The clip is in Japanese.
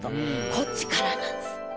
こっちからなんです。